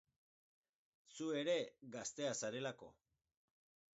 Zu ere, gaztea zarelako!